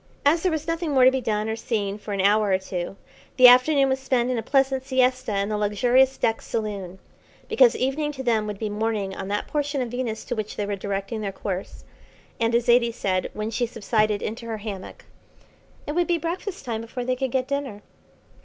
As there was nothing more to be done or seen for an hour or two, the afternoon was spent in a pleasant siesta in the luxurious deck saloon; because evening to them would be morning on that portion of Venus to which they were directing their course, and, as Zaidie said, when she subsided into her hammock: It would be breakfast time before they could get dinner.